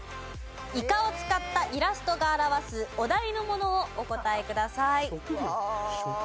イカを使ったイラストが表すお題のものをお答えください。